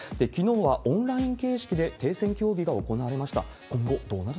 きのうはオンライン形式で停戦協議が行われました。